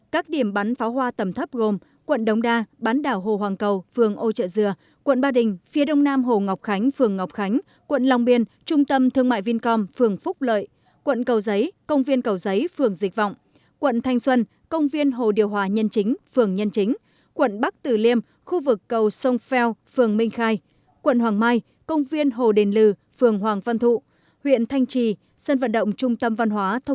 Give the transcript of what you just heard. các điểm bắn pháo hoa tầm thấp gồm quận đông đa bán đảo hồ hoàng cầu vườn ô trợ dừa quận ba đình phía đông nam hồ ngọc khánh vườn ngọc khánh quận lòng biên trung tâm thương mại vincom vườn phúc lợi quận cầu giấy công viên cầu giấy vườn dịch vọng quận thanh xuân công viên hồ điều hòa nhân chính vườn nhân chính quận bắc tử liêm khu vực cầu sông pheo vườn minh khai quận hoàng mai công viên hồ đền lừ vườn hoàng văn thụ huyện thanh trì sân vận